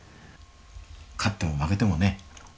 勝っても負けてもね